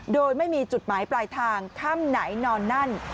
โดยไม่มีจุดหมายปลายทางค่ำไหนนอนนั่น